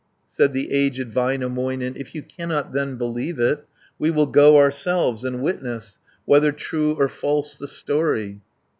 Said the aged Väinämöinen, "If you cannot then believe it, We will go ourselves, and witness Whether true or false the story."